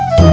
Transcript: ya ki aman